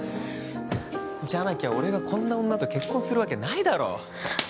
じゃなきゃ俺がこんな女と結婚するわけじゃないだろう。